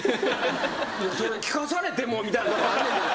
それ聞かされてもみたいなとこあんねんけど。